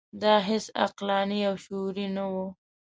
دا هیڅ عقلاني او شعوري نه وه.